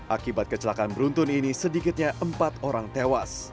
akibat kecelakaan beruntun ini sedikitnya empat orang tewas